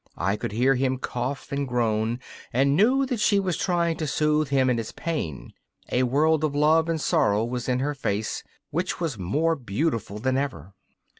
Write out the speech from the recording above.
I could hear him cough and groan, and knew that she was trying to soothe him in his pain. A world of love and sorrow was in her face, which was more beautiful than ever.